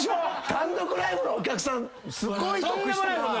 単独ライブのお客さんすごい得したなぁ。